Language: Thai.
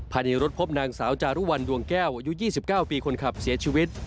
ภายในรถพบนางสาวจารุวัลดวงแก้วอายุ๒๙ปีคนขับเสียชีวิต